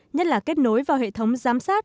nhất là kết nối vào hệ thống giám sát